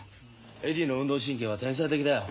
エディの運動神経は天才的だよ。